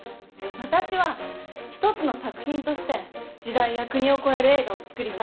私は一つの作品として時代や国を超える映画を作りたい。